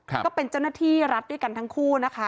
ก็เป็นเจ้าหน้าที่รัฐด้วยกันทั้งคู่นะคะ